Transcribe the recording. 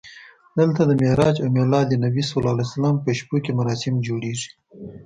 دلته د معراج او میلادالنبي په شپو کې مراسم جوړېږي.